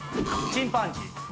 チンパンジー。